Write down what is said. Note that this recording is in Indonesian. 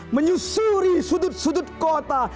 menyusuri sudut sudut kota